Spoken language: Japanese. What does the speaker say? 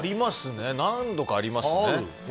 何度かありますね。